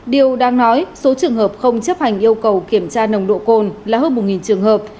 điều đang nói số trường hợp không chấp hành yêu cầu kiểm tra nồng độ cồn là hơn một trường hợp